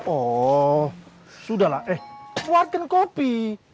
oh sudah lah eh buatin kopi